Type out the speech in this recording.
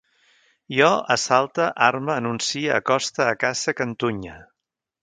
Jo assalte, arme, anuncie, acoste, acace, cantunye